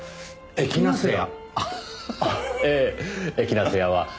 エキナセア。